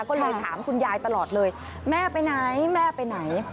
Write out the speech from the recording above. ก็เลยถามคุณยายตลอดเลยแม่ไปไหนแม่ไปไหน